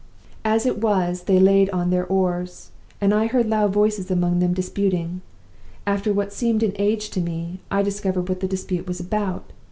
"As it was, they laid on their oars; and I heard loud voices among them disputing. After what seemed an age to me, I discovered what the dispute was about.